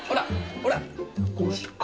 ほら！